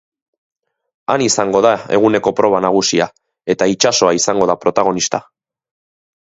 Han izango da eguneko proba nagusia, eta itsasoa izango da protagonista.